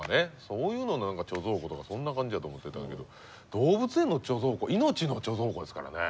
そういうのの何か貯蔵庫とかそんな感じやと思ってたけど動物園の貯蔵庫命の貯蔵庫ですからね。